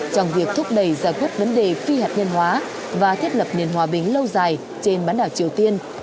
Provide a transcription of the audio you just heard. trong việc thúc đẩy giải quyết vấn đề phi hạt nhân hóa và thiết lập nền hòa bình lâu dài trên bán đảo triều tiên